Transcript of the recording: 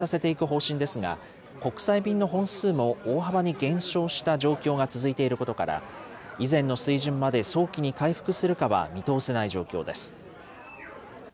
中国政府は海外旅行を今後、段階的に再開させていく方針ですが、国際便の本数も大幅に減少した状況が続いていることから、以前の水準まで早期に回復するかは見通せない状況です。